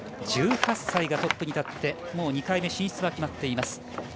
１８歳がトップに立って２回目進出は決まっています。